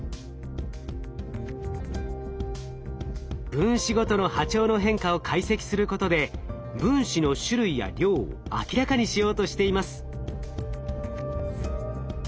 分子ごとの波長の変化を解析することで分子の種類や量を明らかにしようとしています。